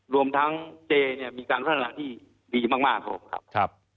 รวมทั้งเจมีการพัฒนาดีดีมากครับ